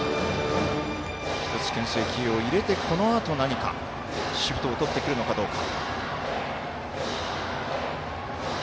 １つ、けん制球を入れてこのあと何かシフトをとってくるのかどうか。